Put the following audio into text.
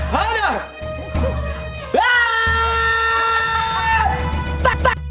เฮ่ย